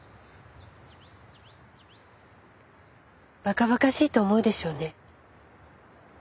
馬鹿馬鹿しいと思うでしょうね。